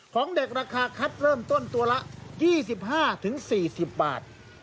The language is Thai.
ของเด็กราคาคัดเริ่มต้นตัวละ๒๕๔๐บาท